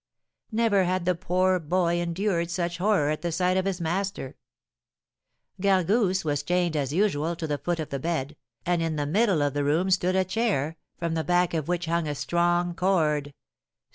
Never had the poor boy endured such horror at the sight of his master. Gargousse was chained as usual to the foot of the bed, and in the middle of the room stood a chair, from the back of which hung a strong cord.